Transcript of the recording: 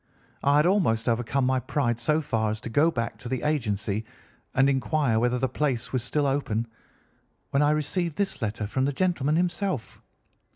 I had almost overcome my pride so far as to go back to the agency and inquire whether the place was still open when I received this letter from the gentleman himself.